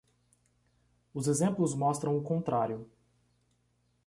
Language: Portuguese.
Os exemplos mostram o contrário.